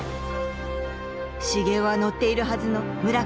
繁雄が乗っているはずの叢雲。